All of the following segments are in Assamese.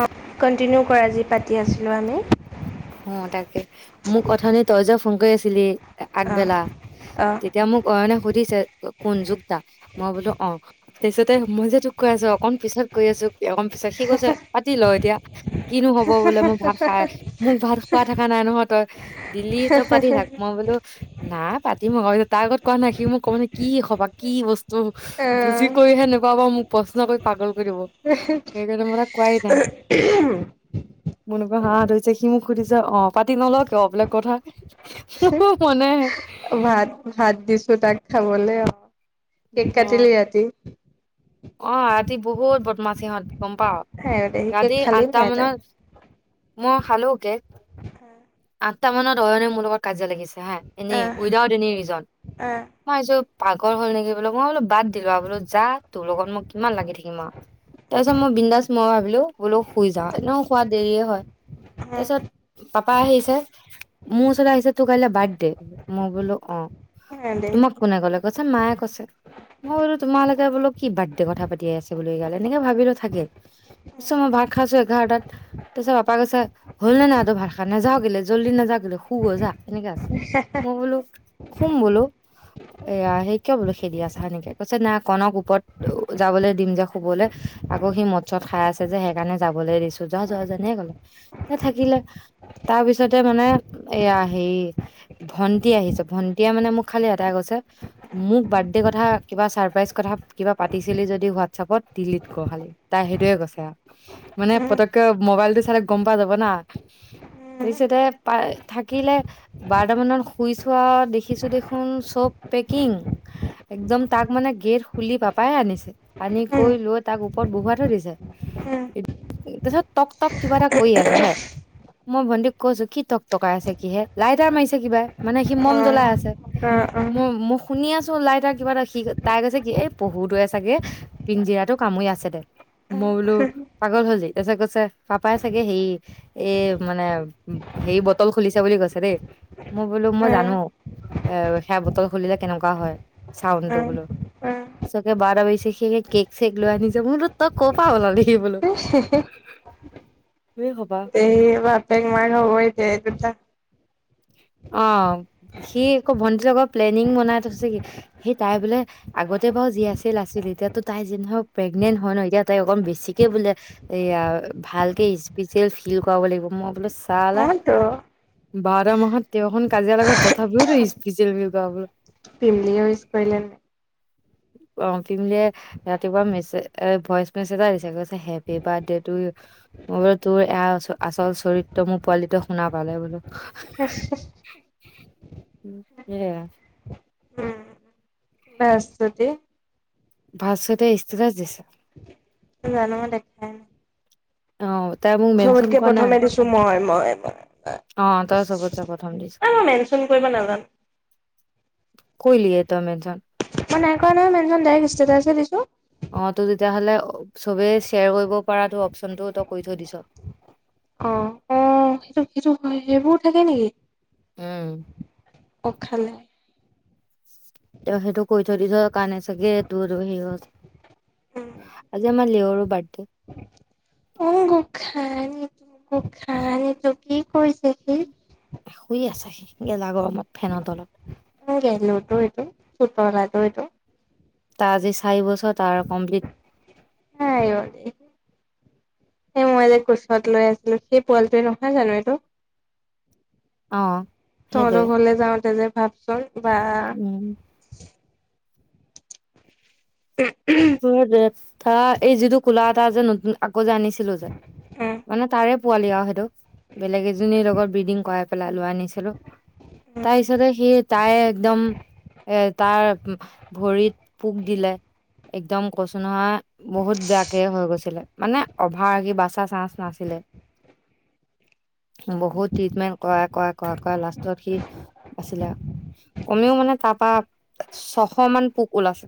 অ', কণ্টিনিউ কৰা যি পাতি আছিলোঁ আমি। অ ', তাকে মোক অথনি তই যে, ফোন কৰি আছিলি, অ আগবেলা, অ তেতিয়া মোক অয়নে সুধিছে কোন যোক্তা মই বোলো অ',। তাৰপিছতে মই যে, তোক কৈ আছো অকন পিছত কৰি আছো, একণ পিছত সি কৈছে পাতি ল', এতিয়া কিনো হব বোলে মই ভাত খাই, মোৰ ভাত খোৱা থাকা নাই নহয় তই দিলি তই পাতি থাক মই বোলো, নাই পাতিম আকো, তাৰ আগত কোৱা নাই। সি মোক ক'ব ন', কি খবৰ? কি বস্তু? ত বুজি কৰিহে নেপাবা মোক প্ৰশ্ন কৰি পাগল হৈ যাব। সেইকাৰণে মই তাক কোৱাই নাই। মোৰ এনেকোৱা হাঁহাঁ ধৰিছে সি মোক সুধিছো অ পাতি নল কিয় বিলাক কথা মোৰ মনে আহে দুটাক খাবলে অ কেক অ কাটিলি ৰাতি। অ আজি বহুত বদমাচ সিহঁত গম পাৱ আই ঐ দেহি। কেক ৰাতি খালি আঠটা নাই তই মানত মই খালোকে হা আঠটা মানত অয়নে মোৰ লগক কাজিয়া লাগিছে। এনে আহ উইডাউট এ ৰিজন মইছ পাগল হ'ল নেকি বোলো। মই বোলো বাদ দিলো আৰু যা তোৰ লগত মই কিমান লাগি থাকিম আৰু তাৰপিছত মই বিন্দাস মই ভাবিলো বোলো শুই যাও এনে শোৱা দেৰিয়ে হয় আহ তাৰপিছত পাপাই আহিছে মোৰ ওচৰৰত আহিছে তোৰ কাইলে বাৰ্থডে মই বোলো অ আহ দে তোমাক কোনে ক'লে ক মায়ে কৈছে মই বোলো তোমালৈকে বোলো কথা পাতিয়ে আছে বুলি গ'লে এনেকে ভাবিলো থাকে ছ মই ভাত খাইছো এঘাৰটাত তাৰপিছত বাপাই কৈছে হল নে নাই তোৰ ভাত খাই। নাযাৱ কেলে জল্দি নাযাৱ কেলে শুগৈ যা। এনেকে আছে মই বলো শুম বোলো এয়া সে কিয় বোলো খেদি আছা সেনেকে কৈছে না কনক ওপৰত যাবলৈ দিম যে শুবলৈ আকৌ সি মদ চত খাই আছে যে সেইকাৰণে যাবলৈ দিছো যোৱা যোৱা এনেকে কলে এ থাকিলে তাৰপিছতে মানে এয়া হেৰি ভন্টি আহিছে ভন্টিয়ে মানে মোক খালি এটাই কৈছে মোক বাৰ্থডে কথা কিবা চাৰপ্ৰাইজ কথা কিবা পাতিছিলি যদি হোৱাটছপত ডিলিট কৰ খালি তাই সেইটোয়ে কৈছে মানে অ অ পতককে মবাইলটো চালে গম পাই যাব না তাৰপিছতে প থাকিলে বাৰটামানত শুইছো আউ দেখিছো দেখোন চব পেকিং একদম তাক মানে গেট পুলি পাপায়ে আনি কই লই উপৰত বহুবা থৈ দিছে। হা তাৰিছত টক টক কিবা এটা কৰি আছে হে মই ভণ্টীপ কৈছো কি টক টকাই আছে কি হে লাইটটা মাৰিছে কিবা মানে সি মম জ্বলাই আছে অ মোৰ মুখ শুনি আছো লাই তটা কিবা এটাখি তাই কৈছে কি এ পহুটোৱে চাগে পিঞ্জিৰাটো কামুৰি আছে দে মই বোলো পাগল হলজি তাৰ কৈছে পাপাই চাগে হে এই মানে হেৰি বটল খুলিছে বুলি কৈছে দেই মই বোলো মই জানো এ সেয়া বটল খুলিলে কেনেকুৱা হয় চাউনটো বোলো চকে বাৰ বেছেখে কেক চেক লোৱানিছে মোৰত তই ক' পাব লাগে উ হো এই সোপা এই বাপেক মাৰ হ'বই এই দুটা অ সি আকৌ ভন্টি লগত প্লেনিং বনাই থৈছে কি সি তাই বোলে আগতে বাৰু যি আছিল আছিল এতিয়াতো তাই যি নহক প্ৰেগনেন্ট হয় ন এতিয়া তাই অকম বেছিকে বোলে এইয়া ভালকে স্পেচিয়েল ফিল কৰাব লাগিব মই বোলে অওতো বাৰটা মাহত তেৰখন কাজিয়া লাগ তথাপিওতো স্পেচিয়েল বুলি কৰ বুলি পিমলিঅ ইছ পাইলেে অ পিমলিৱে ৰাতিপুৱা মেছে ভইচ মেছেজ এটা দিছে কৈছে হেপি বাৰ্থডে তু ইউ মই বোলো তোৰ এয়া আচল চৰিত্ৰ মোৰ পোৱালিটোৱে শুনা পালে বোলো মেঢেচ উ এয়া বেছ তাতে ভাঢতে ই্ঢতেতাচ দিছে জান ম দেখে অত চবতকে প্ৰথমে দিছো মই হয় এবাৰ অ তই চবতচে প্ৰথম দিছ মই মেনচন কৰিব নাজানো। কইলিৱে তই মেনচন মই নাই কৰা নয় মেনচন ডাইৰেক্ ষ্টেটাছে দিছো অ তু তেতিয়াহলে চবেই শ্বেয়াৰ কৰিব পৰাতো অপচনটো তই কৰি থৈ দিছ অ' অ সেইটো সেইটো হয় সেইবোৰ থাকে নেকি? উম অ খালে সুধিচ কানে চাগে দূৰদৰ্শী হল আজি আমাৰ লেউত' বাৰ্থডে অ গোসাঁই গোসাইটো কি কৰিছে সি? শুই আছে সি গেলা গফ কোন গেল ত এইটো হোৱা নাইতো এইতো তা আজি চাৰি বচ অ তাৰ কমপ্লিট আই অ' দেহি। এই মই যে কোচত লৈ আছিলো সেই পোৱালিটোৱে নহয় জানো এইটো অ'। সেইটোৱে তহঁতৰ ঘৰলে যাওঁতে যে তাৰপিছত বা উম, হয় দে ধ এই যিটো কোলা এটা যে নতুন আকৌ যে আনিছিলো যে উম মানে তাৰে পোৱালি আৰু সেইটো বেলেগ এজনীৰ লগত বিডিং কৰাই পেলাই লৈ আনিছিলো উম। তাৰ পিছতে সি তাই একদম এ তাৰ ভৰিত পোক দিলে একদম কৈছো নহয় বহুত বেয়াকে হৈ গৈছিলে মানে অভাৰ সি বাচা চান্স নাছিলে বহুত ট্ৰিটমেন্ট কৰা কৰা কৰা কৰা লাষ্টত সি আছিলে কমেও মানে তাৰ পৰা ছশ মান পোক ওলাইছে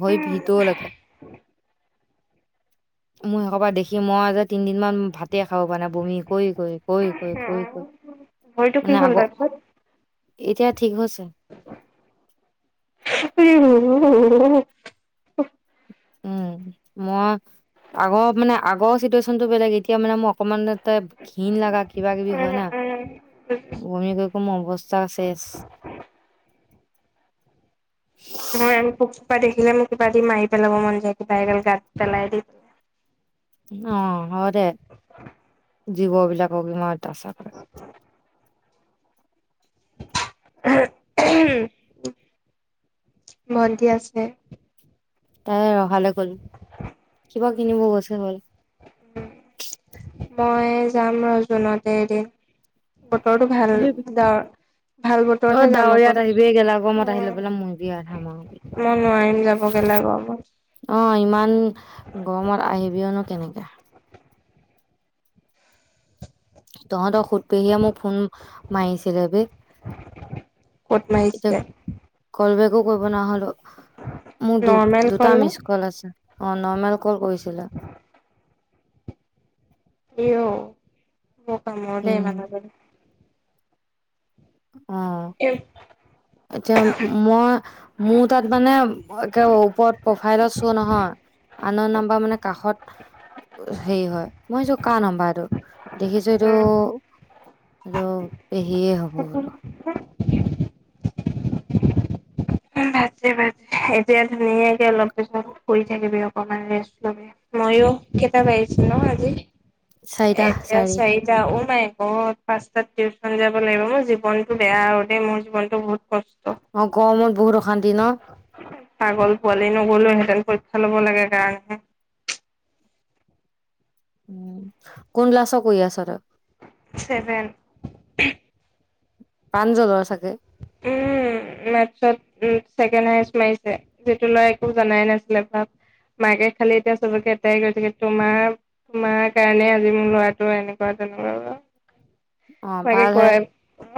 ভৰি ভিতৰলৈকে মোৰ সেইসোপা দেখি দেখি মই যে তিনদিন মান ভাতে খাব পৰা নাই বমি কৰি কৰি কৰি কৰি কৰি কৰি ভৰিটো কি মানে হ'ল আগৰ তাৰপিছত? এতিয়া ঠিক হৈছে [unintelligible] উম মই আগৰ মানে আগৰ চিটুৱেশ্যনটো বেলেগ এতিয়া মানে মোৰ অকমান এ ঘৃণ লগা কিবা কিবি হয় না বমি কৰি কৰি মোৰ অৱস্থা শেষ মই পোক সোপা দেখিলে মোক কিবা দি মাৰি পেলাব মন যায় কিবা এগাল গাত পেলাই দি অ হ'ব দে জীৱ বিলাকক ইমান অত্যাচাৰ কৰে ভন্টি আছে তাই ৰহালে গল কিবা কিনিব গৈছে হল মই যাম আৰু জুনতে এদিন বতৰটো ভাল আহিবি ডাৱৰ ভাল অ বতৰতহে যাম আকৌ ডাৱৰীয়াত দেই। আহিবি এই গেলা গৰমত আহি লৈ পেলাই মৰিবি আধামৰা হৈ মই নোৱাৰিম যাব গেলা গৰমত অ ইমান গৰমত আহিবিও নো কেনেকে তহঁত কোতপেহীয়ে মোক ফোন মাৰিছিলে বে ক'ত এতিয়া মাৰিছে। কল বেকো কৰিব নহলো মোক দু নৰ্মেল দুটা নে মিচ কল আছে অ নৰ্মেল কল কৰিছিলে কিয় বৰ কামোৰ কিন দেই মানুহজনী অ মানুহজনী। এতিয়া মই মোৰ তাত মানে একে ওপৰত প্ৰফাইল চো নহয় আননউন নাম্বাৰ মানে কাষত হেৰি হয় মই ভাবিছোঁ কাৰ নাম্বাৰ টো দেখিছো এইটো এইটো পেহিয়ে হ'ব বোলো [unintelligible] বাদদে বাদদে এতিয়া ধুনীয়াকে অলপ পিছত শুই থাকিবি অকমান ৰেষ্ট লবি ময়ো কেইটা বাজিছেনো আজি চাৰিটা এতিয়া চাৰি চাৰিটা পাঁচটাত টিউশ্যন যাব লাগিব মোৰ জীৱনটো বেয়া হ দেই মোৰ জীৱনটো বহুত কষ্ট অ ক অসমত বহুত অশান্তি ন ছাগল পোৱালি নগলেও হেঁতেন পৰীক্ষা লব লাগে কাৰণহে উ কোন লাছ কৰি আছ ত ছেভন প্ৰাঞ্জল চাগ উম মাছত উ ছেকেণ্ড হাইষ্ট মাৰিছে যিটো ল'ৰা একো জনাই নাছিলে ভাব মাকে খালি এতিয়া চবকে এটাই কৰি থে তোমাৰ তোমাৰ কাৰণে আজি মোৰ ল'ৰাটো এনেকুৱা তেনেকুৱা অ মাকে ভাল হে কয়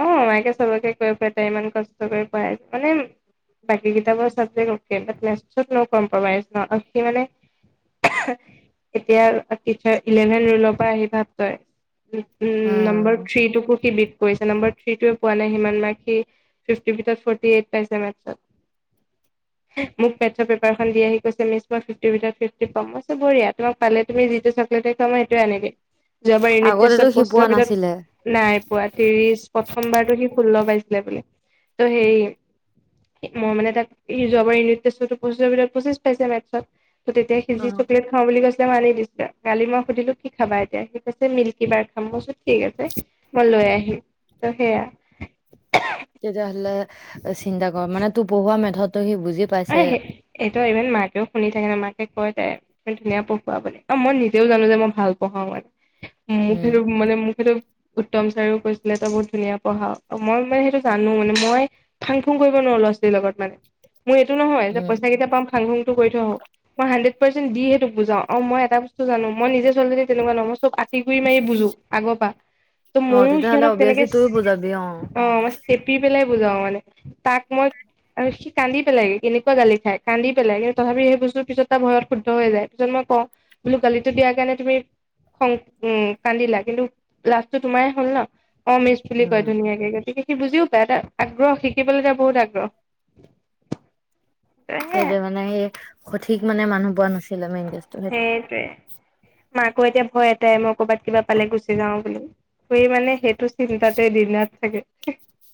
অ মাইকে চবকে ইমান মানে বী কৰি এতিয়াভেন পৰা আহি ভ উ উম নম্বৰ থ্ৰী টো ক কিব কৰিছে নম্বাৰ থ্ৰীটোৱে পোৱা নাই সিমান ম ফ মোক পেথ পেপাৰ দি আহি মি মই ফই বঢ়িয়া তোমাক পালে তুমি যিটো চকলেটে মই সেইটোৱ আনিবি যোৱাবাৰ ইউনিট আগতেতো টেষ্টত সি পোৱা পঁচিছৰ নাছিলে ভিতৰত নাই পোৱা ত্ৰিশ প্ৰথমবাৰতো সি ষোল্ল বাইছে ত সেই মই মানে তাক যোৱাবাৰ ইট চিছৰ ভিতৰতচিছ পাইছে মত ত তেতিয়া অ সিজি চকলেট খাওঁ বুলি কৈ মানি দিছিলা কালি মই সুধিলো কি খাবা এতিয়া ঠিক আছে মিল্কী বাৰ খামইচোন ঠিক আছে মই লৈ আহিম ত সেয়া তেতিয়াহলে চিন্তা কৰ মানে তোৰ পঢ়োৱা মেধটো সি বুজি এ পাইছে সেইটো ইমান মাকেও শুনি থাকে ন মাকে কয় তাই ম ধুনীয়া পঢ়োৱাৰ বুলি অ মই নিজেও জানো যে মই ভাল পঢ়াও মানে ম উম ঘেৰ মানে মু ঘেেত উত্তম ছাৰেও কৈছিলে তো বহুত ধুনীয়া পঢ়াও অঁ মই মানে সেইটো জানো মানে মই ফাং খুং কৰিব নোৱাৰো ল'ৰা ছোৱালীৰ লগত মানে মোৰ এইটো নহয় যে উম পইচা কেইটা পাম খাং খুংটো কৰি থৈ আহওঁক মই হাড্ৰেড দি সেইটো বুজাও অ মই এটা জানো মই নিজে চলি তেনেকুৱা নম [inaudible] কৰি মাৰি বুজো আগৰ পৰা ত' অ মইো তেতিয়াহ'লে সিহঁতক অবিয়াচলি তইও বুজাবি অ তেনেকৈ মই চেপি পেলাই বুজাও মানে তাক মই আৰু সি কান্দি পেলাইগ কেনেকুৱা গালি খাই কান্দি পেলাই কিন্তু তথাপিও সেই বুজো পিছত তাৰ ভয়ত শুদ্ধ হৈ যায় পিছত মই ক বোলো গালিটো দিয়াৰ কাৰণে তুমি খং উম কান্দিলা কিন্তু লাভটো তোমাৰ হ'ল ন অঁ মিছ বুলি উম, কৈ ধুনীয়াই গতিকে সি বুজিও পায় আগ্ৰহ শিকিবলৈ য বহুত আগ্ৰহ সেই সেয়াই যে মানে স সঠিক মানে মানুহ পোৱা ন মেইন কেচতো সেইটো সেইটোৱে মাকো এতিয়া ভয় এটাই মই কৰ'বাত কিবা পালে গুচি যাও বুলিই মানে সেই টো চিন্তাতে দিনত থাকে [unintelligible]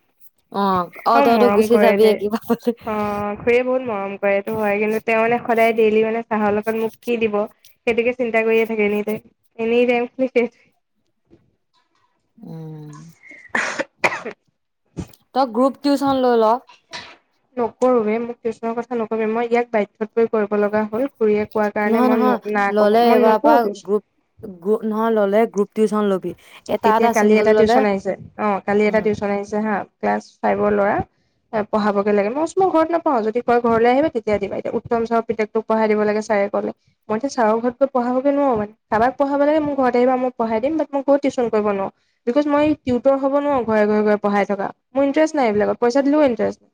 অঁ, অঁ অ তই টো মৰম গুচি কৰে দে যাবিয়ে কিবা ক'লে।। হয়। এইটো হয় কিন্তু তেওঁ যে সদায় ডেইলি মানে চাহৰ লগ।। মোক কি দিব সেইটোকে চিন্তা কৰিয়ে থাকে নেকি তাই। এনে তাই মোক কৈছে।। উম। [inaudible] তই গ্ৰুপ টিউচন লৈ ল। নকৰোৱে মোক টিউচনৰ কথা নকবি মই ইয়াত বাধ্যত পৰি কৰিব লগা হ'ল। খুৰীয়ে কোৱাৰ কাৰণে নহয় মই নহয় না ক'ব ললে মই এইবাৰ নকওঁ পৰা টিউচন গ্ৰুপ গ্ৰুপ নহয় ললে গ্ৰুপ।। টিউচন ল'বি। এটা এতিয়া কালি চিংগুল এটা ল'লে টিউচন আহিছে। অঁ কালি এটা উম, টিউচন আহিছে হা।। ক্লাছ ফাইভ ল'ৰা পঢ়াবগে লাগে। মইও মোৰ ঘৰত নপঢ়াও যদি কয় ঘৰলৈ আহিবা তেতিয়া পাইযাবা। এতিয়া উত্তম ছাৰৰ পুতেক টোক পঢ়াই দিব লাগে ক্লাছ ফাইবৰ ল'ৰা তাক পঢ়াবগৈ লাগে। মই কৈছোঁ মই ঘৰত নপঢ়াও যদি ক'য় ঘৰলৈ আহিবা তেতিয়া দিম আৰু উত্তম ছাৰৰ পুতেক টোক পঢ়াই দিব লাগে ছাৰে কলে মই এতিয়া ছাৰৰ ঘৰত গৈ পঢ়াবগৈ নোৱাৰো মই কাৰবাক পঢ়াব লাগে মোৰ ঘৰত আহিবা। মই পঢ়াই দিম বাত।। মই কত টিউন কৰিব নোৱাৰোঁ। বিকজ মই টিউটৰ হ'ব নোৱাৰো ঘৰে ঘৰে পঢ়াই থকা। মোৰ ইণ্টাৰেষ্ট নাই এইবিলাকত, পইচা দিলেও ইণ্টাৰেষ্ট নাই।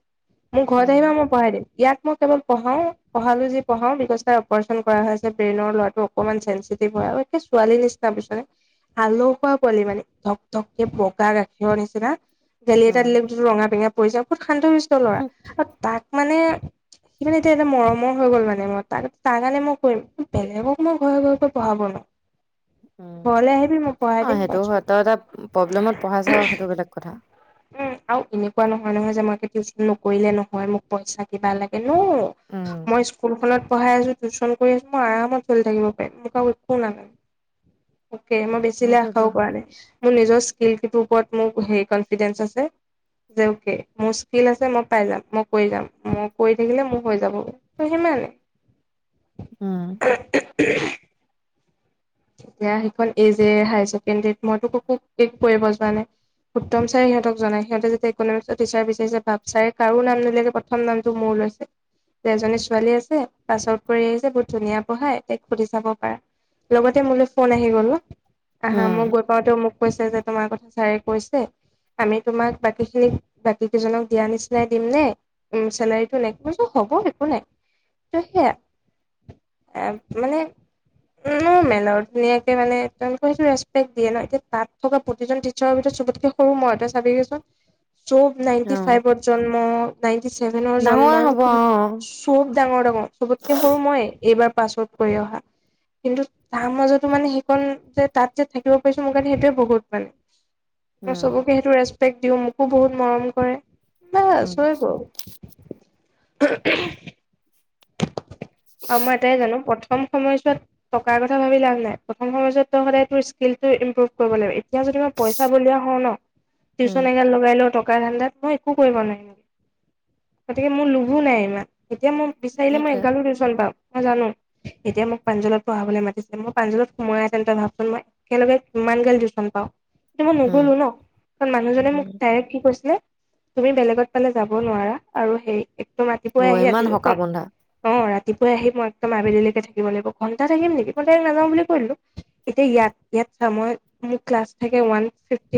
মোৰ ঘৰত উম, আহিবা মই পঢ়াই দিম ইয়াত মই কেৱল।। পঢ়াও, পঢ়ালো যি পঢ়াও বিকজ তাই অপাৰেশ্যন কৰা হৈছে। ব্ৰেইনৰ হয়টো অকনমান চেনচেতিভ হয়। আৰু তাই ছোৱালী নিচিনা পিছে।। আলখোৱা পোৱালি মানে ধক ধককে বগা গাখীৰৰ নিচিনা। গালি এটাত উম, দিলে টোৰ ৰঙা পিঙা পৰি যায়। বহুত শান্ত শিস্ত ল'ৰা আৰু তাক।। মানে সি এতিয়া এটা মৰমৰ হৈ গ'ল। মানে মই ত তাৰ কাৰণে মই কৰিম, বেলেগক মই ঘৰে ঘৰে গৈ পঢ়াব নোৱাও। উম। পঢ়াই অ', দিম সেইটো বা হয়। তই এটা প্ৰব্লেমত পঢ়াইছ সেইটো বেলেগ কথা। উম আৰু এনেকুৱা নহয় নহয় যে মই [unintelligible] টিউচন নকৰিলে নহয় মোক পইচা কিবা লাগে।। এনেও উম, মই স্কুলখনত।। পঢ়াই আছোঁ টিউচন কৰি আছোঁ মই আৰামত চলি থাকিব পাৰিম। মোক আৰু একো নালাগে। দে মই বেচিলে সেইটোতো আশাও কৰা হয়। নাই। মোৰ নিজৰ- স্কিল কিপৰ ওপৰত মোৰ হে কণফিডেঞ্জ আছে। যে অ'কে মোৰ ইচকিল আছে মই পাই যাম। মই কৰি যাম মই কৰি থাকিলে মোৰ হৈ যাব। ত সিমানে। উম। তিয়া সেইখন এ জে হায় ছেকেণ্ডৰীত মইতো কৰিব যোৱা নাই। উত্তম ছাৰে সিহঁতক জনায়, সিহঁতে যদি ইকনমিক্সৰ টিচাৰ বিচাৰিছে ছাৰে দিয়া শেষ হ'ল এই যে হায়াৰ চেকেণ্ডেৰীত মই টো কা'কো ঠিক কৰিব [unintelligible] যোৱা নাই। উত্তম ছাৰে সিহঁতক জনাই সিহঁতে যে নাম নিলেগে প্ৰথম নামটো মোৰ লৈছে যে এজনী ছোৱালী আছে পাছ আউট কৰি আহিছে বহুত ধুনীয়া পঢ়াই তক সুধি চাব পাৰ লগতে মোলৈ ফোন আহি গ'ল ন। আহা মই উম, গৈ পাওঁতেও মোক।। কৈছে যে তোমাৰ কথা ছাৰে কৈছে। আমি তোমাক বাকী খিনিক বাকী কেইজনক দিয়া নিচিনাই দিম নে? উ চেলাৰীটো নে হব একো নাই ত সেয়া। মানে। উম মোৰ মেনত নি ধুনীয়াকে মানে তেক সেইটো ৰেচপেক্ট দিয়ে ন, এতিয়া তাত থকা প্ৰতিজন টিচাৰৰ ভিতৰত চবতকে সৰু মই তই চাবিগে চোন। চব নাইনটি অ', ফাইভত জন্ম নাইনটি ছেভেনৰ জন্ম ডাঙৰে হ'ব অ', চব ডাঙৰ ডাঙৰ চবতকে সৰু মইয়ে এইবাৰ।। পাছত কৰি অহা। কিন্তু তাৰ মাজতো মানে সেইকণ যে তাত যে থাকিব পাৰিছো। মোৰ কাৰণে সেইটোৱে বহুত মানে। উম, চবকে সেইটো।। দিও মোকো বহুত মৰম কৰে ন উম, শৈ হ [unintelligible] [inaudible] অ মই এটাই জানো কম সময়ছোৱাত টকাৰ কথা ভাবি লাভ নাই। প্ৰথম সময়ছোৱাত তই সদায় তোৰ স্কিলটো ইম্প্ৰুভ কৰিব লাগিব। এতিয়া যদি মই পইচা বলিয়া হওঁ ন উম, টিউশন এগাল লগাই লও টকাৰ ধান্দাত মই একো কৰিব নোৱাৰিম। গতিকে মোৰ লোভো নাই ইমান। এতিয়া মোৰ বিচাৰিলে মই সেইটোৱে এঘালো টিউশ্যন পাম মই জানো এতিয়া মোক পান্জুলত পঢ়াবলৈ মাতিছিলে। মই পাঞ্জলত সোমাই আহ তেন্ত তই ভাবচোন মই একেলগে কিমান গাল টিউচন পাওঁ টো মই উম, নগলো ন, কাৰণ মানুহজনে মোক উম। ডাইৰেক্ট কি কৈছিলে তুমি বেলেগত পালে যাব নোৱাৰা আৰু সেই একম অ ৰাাতিপুৱাই আহি ইমান সকাহ ৰাতি বন্ধা অ ৰাতিপুৱাই আহি ম‌ই আবেলি লৈকে থাকিব লাগিব, ঘন্টা থাকিম নেকি, মই ডাইৰেক্ট নাযাওঁ বুলি কৈ দিলো। এতিয়া ইয়াত ইয়াত চা মই মো ক্লাছ থাকে ওৱান ফিফ্টি